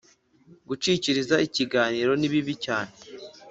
gucikiriza ikiganiro nibibi cyane